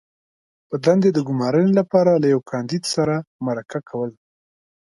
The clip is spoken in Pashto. -په دندې د ګمارنې لپاره له یوه کاندید سره مرکه کول